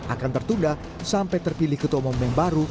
akan tertunda sampai terpilih ketua umum yang baru